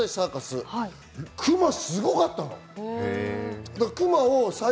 クマ、すごかったの。